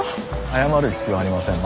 謝る必要ありません。